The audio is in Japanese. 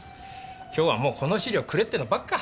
今日はもう「この資料くれ」ってのばっか。